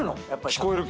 聞こえる。